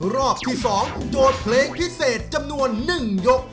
รอบที่๒โจทย์เพลงพิเศษจำนวน๑ยก